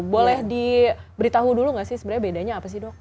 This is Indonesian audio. boleh diberitahu dulu nggak sih sebenarnya bedanya apa sih dok